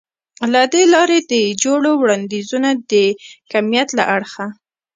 له دې لارې د جوړو وړاندیزونه د کمیت له اړخه